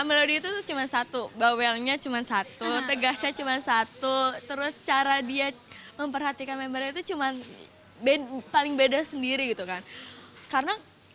melody itu cuma satu bawelnya cuma satu tegasnya cuma satu terus cara dia memperhatikan member itu cuma paling beda sendiri gitu kan